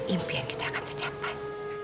impian kita akan tercapai